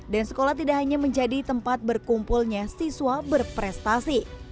dan sekolah tidak hanya menjadi tempat berkumpulnya siswa berprestasi